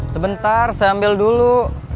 sebentar saya ambil dulu